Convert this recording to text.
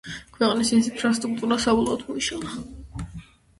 ქვეყნის ინფრასტრუქტურა საბოლოოდ მოიშალა.